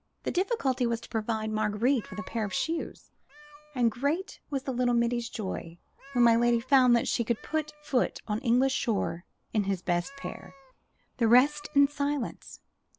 The difficulty was to provide Marguerite with a pair of shoes, and great was the little middy's joy when my lady found that she could put foot on English shore in his best pair. The rest is silence!